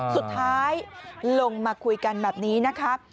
สุดท้ายลงมาคุยกันแบบนี้นะครับ